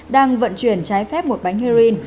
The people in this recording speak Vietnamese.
đang vận chuyển trái phép một bánh heroin